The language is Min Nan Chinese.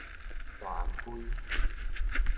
大頷胿